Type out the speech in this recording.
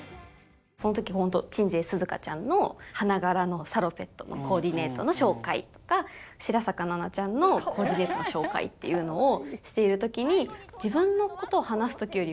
その時ほんと鎮西寿々歌ちゃんの花柄のサロペットのコーディネートの紹介とか白坂奈々ちゃんのコーディネートの紹介っていうのをしている時にこれなんすよね